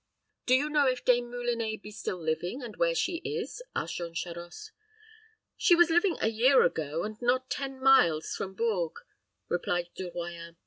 "Do you know if Dame Moulinet be still living, and where she is?" asked Jean Charost. "She was living a year ago, and not ten miles from Bourges," replied De Royans.